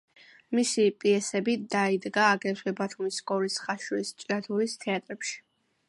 მისი პიესები დაიდგა აგრეთვე ბათუმის, გორის, ხაშურის, ჭიათურის თეატრებში.